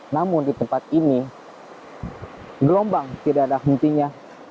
namun di tempat ini gelombang tidak ada hentinya